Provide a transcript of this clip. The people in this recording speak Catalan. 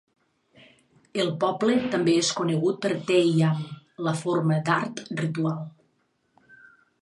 El poble també és conegut per Theyyam, la forma d'art ritual.